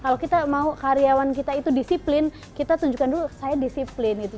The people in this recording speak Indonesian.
kalau kita mau karyawan kita itu disiplin kita tunjukkan dulu saya disiplin gitu